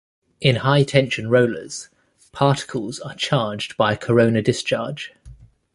In high tension rollers, particles are charged by a corona discharge.